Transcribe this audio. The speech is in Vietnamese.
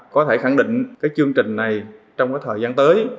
có thể khẳng định cái chương trình này trong cái thời gian tới